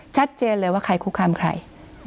ชัดเจนเลยว่าใครคุกคามใคร